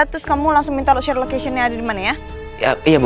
terus kamu langsung minta lo share locationnya ada dimana ya